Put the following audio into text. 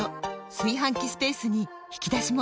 炊飯器スペースに引き出しも！